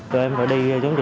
không biết hôm nay là thứ mấy